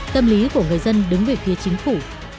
tâm lý của người dân đứng về phía chính phủ